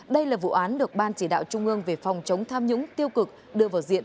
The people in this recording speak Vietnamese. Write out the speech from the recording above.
đây là vụ án được ban chỉ đạo trung ương về phòng chống tham nhũng tiêu cực đưa vào diện